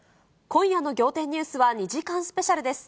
今夜の仰天ニュースは、２時間スペシャルです。